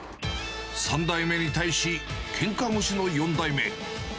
３代目に対し、けんか腰の４代目。